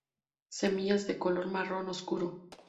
Semillas de color marrón oscuro.